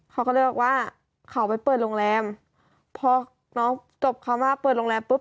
เขาก็เลยบอกว่าเขาไปเปิดโรงแรมพอน้องจบคำว่าเปิดโรงแรมปุ๊บ